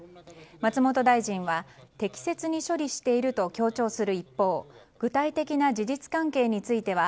松本大臣は適切に処理していると強調する一方具体的な事実関係については